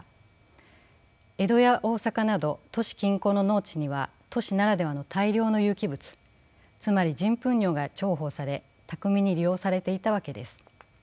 江戸や大坂など都市近郊の農地には都市ならではの大量の有機物つまり人糞尿が重宝され巧みに利用されていたわけです。